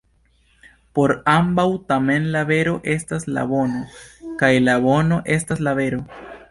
Por ambaŭ, tamen, la vero estas la bono, kaj la bono estas la vero.